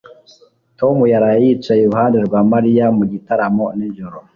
Tom yaraye yicaye iruhande rwa Mariya mu gitaramo nijoro